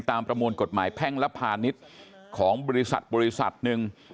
ตามประมวลกฎหมายแพ่งและพาณิชย์ของบริษัทหนึ่ง